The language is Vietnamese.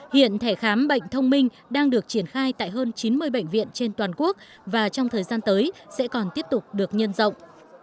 hiện thẻ khám bệnh thông minh đang được triển khai tại hơn chín mươi bệnh viện trên toàn quốc và trong thời gian tới sẽ còn tiếp tục được nhân rộng